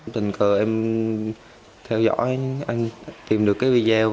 tình cờ em theo dõi anh tìm được cái video